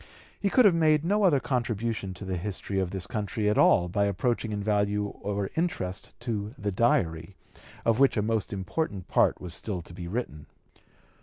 He could have made no other contribution to the history of the country at all approaching in value or interest to the Diary, of which a most important part was still to be written.